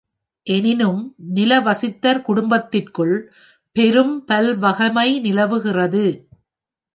எனினும், நில வசித்தர் குடும்பத்திற்குள் பெரும் பல்வகைமை நிலவுகிறது.